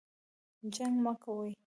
جنګ مه کوئ